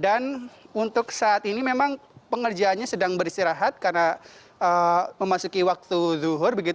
dan untuk saat ini memang pengerjaannya sedang beristirahat karena memasuki waktu zuhur begitu